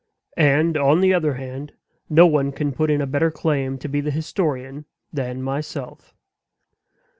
And, on the other hand, no one can put in a better claim to be the historian than myself.